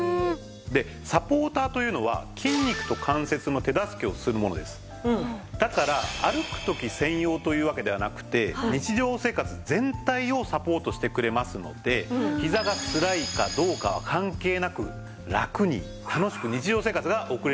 でサポーターというのだから歩く時専用というわけではなくて日常生活全体をサポートしてくれますのでひざがつらいかどうかは関係なく楽に楽しく日常生活が送れるようになると思います。